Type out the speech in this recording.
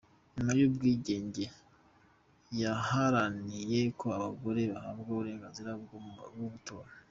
Nyuma y’ubwigenge, yaharaniye ko abagore bahabwa uburenganzira bwo gutora.